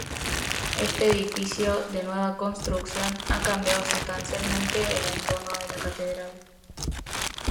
Este edificio de nueva construcción ha cambiado sustancialmente el entorno de la catedral.